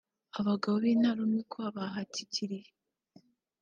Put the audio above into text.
Abagabo b’intarumikwa bahatikiriye